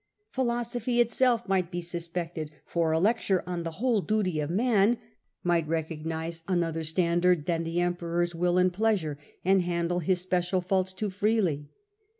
Philosophy itself might be suspected, for a lecture on the ^ whole duty of man ' might recognise another standard than the Emperor's will and pleasure and handle his special faults too freely.